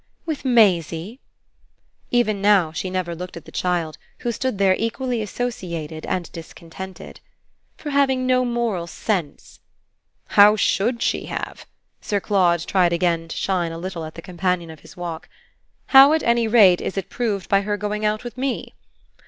"With Maisie." Even now she never looked at the child, who stood there equally associated and disconnected. "For having no moral sense." "How SHOULD she have?" Sir Claude tried again to shine a little at the companion of his walk. "How at any rate is it proved by her going out with me?"